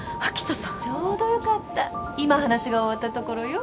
ちょうどよかった今話が終わったところよ。